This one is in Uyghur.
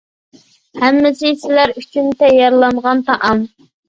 ھەممىسى سىلەر ئۈچۈن تەييارلانغان تائام.